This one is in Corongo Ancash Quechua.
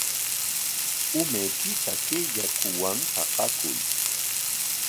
Umaykita kay yakuwan paqakuy.